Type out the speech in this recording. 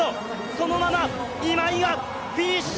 そのまま今井がフィニッシュ！